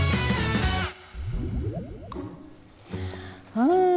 うん。